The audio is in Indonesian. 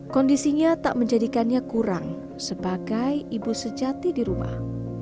kondisinya tak menjadikannya kurang sebagai ibu sejati di rumah